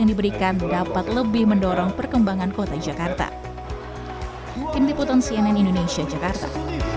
diberikan dapat lebih mendorong perkembangan kota jakarta